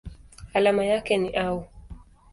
Alama yake ni Au.